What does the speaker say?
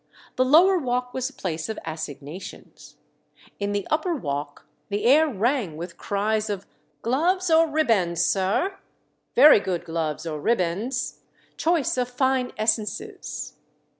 The lower walk was a place of assignations. In the upper walk the air rang with cries of "Gloves or ribands, sir?" "Very good gloves or ribands." "Choice of fine essences."